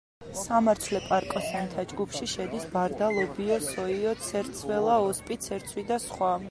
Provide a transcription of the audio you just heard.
სამარცვლე პარკოსანთა ჯგუფში შედის ბარდა, ლობიო, სოია, ცერცველა, ოსპი, ცერცვი და სხვა.